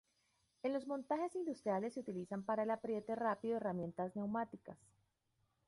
En los montajes industriales se utilizan para el apriete rápido herramientas neumáticas.